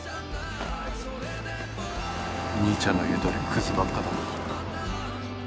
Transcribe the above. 兄ちゃんの言うとおりクズばっかだな。